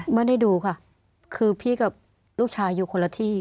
ไม่ได้ดูค่ะคือพี่กับลูกชายอยู่คนละที่